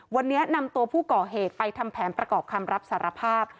วันนี้นำตัวผู้ก่อเหตุไปทำแผนประกอบคำรับสารภาพ